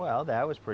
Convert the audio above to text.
nah itu agak teruk